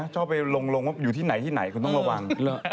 ชอบไปลงว่าอยู่ที่ไหนที่ไหนคุณต้องระวัง